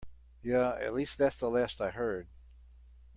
Yeah, at least that's the last I heard.